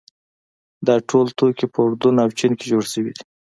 دا ټول توکي په اردن او چین کې جوړ شوي دي.